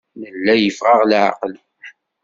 Nella yeffeɣ-aɣ leɛqel.